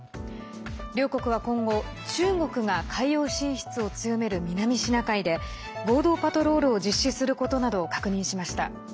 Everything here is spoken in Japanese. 両国は今後中国が海洋進出を強める南シナ海で合同パトロールを実施することなどを確認しました。